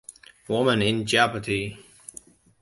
Women in Jeopardy!